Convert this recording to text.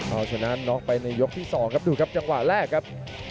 เอาชนะน็อกไปในยกที่๒ครับดูครับจังหวะแรกครับ